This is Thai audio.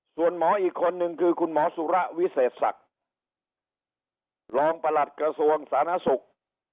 ส่วนหมออีกคนนึงคือคุณหมอสุระวิเศษศักดิ์รองประหลัดกระทรวงสาธารณสุข